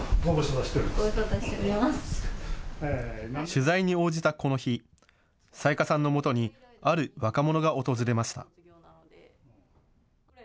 取材に応じたこの日、雑賀さんのもとにある若者が訪れました。